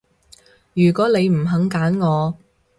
如果你唔肯揀我